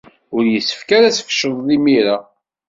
Ur yessefk ara ad tfecled imir-a.